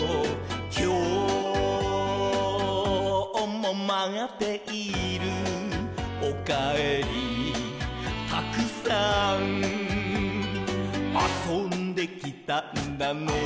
「きょうもまっている」「おかえりたくさん」「あそんできたんだね」